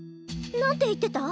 何て言ってた！？